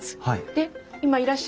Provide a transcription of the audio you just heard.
はい。